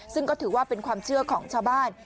ซึ่งก็ถือว่าเป็นความเชื่อของชาวบ้าน